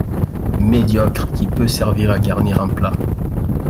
Médiocre, qui peut servir à garnir un plat.